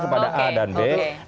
kepada a dan b